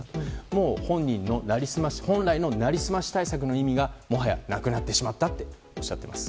もう本来の成り済まし対策の意味がもはやなくなってしまったとおっしゃっています。